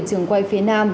trường quay phía nam